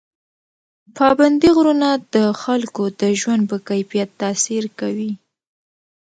پابندي غرونه د خلکو د ژوند په کیفیت تاثیر کوي.